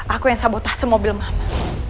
aku yang sabotase mobil mama